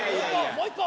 もう１個！